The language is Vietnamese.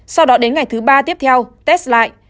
sau đó đến ngày thứ ba tiếp theo test lại